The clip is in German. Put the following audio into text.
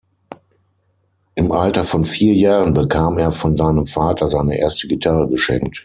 Im Alter von vier Jahren bekam er von seinem Vater seine erste Gitarre geschenkt.